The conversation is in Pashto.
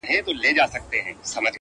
جانه راځه د بدن وينه مو په مينه پرېولو